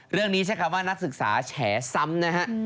เรื่องนี้ใช่ครับว่านักศึกษาแฉซ้ำนะครับ